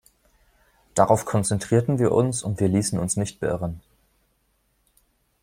Darauf konzentrierten wir uns, und wir ließen uns nicht beirren.